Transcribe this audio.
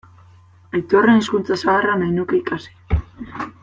Aitorren hizkuntza zaharra nahi nuke ikasi.